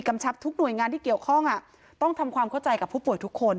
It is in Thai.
ชับทุกหน่วยงานที่เกี่ยวข้องต้องทำความเข้าใจกับผู้ป่วยทุกคน